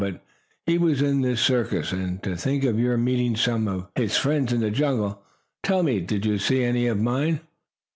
But he was in this circus. And to think of your meeting some of his friends in the jungle! Tell me, did you see any of mine?"